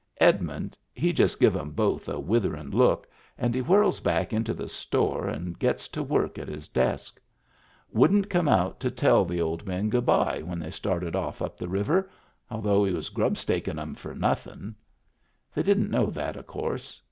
Edmund he just give 'em both a witherin' look, and he whirls back into the store and gets to work at his desk. Wouldn't come out to tell Digitized by Google 26o MEMBERS OF THE FAMILY the old men good by when they started off up the river, although he was grubstakin* *em for nothin'. They didn't know that, of course.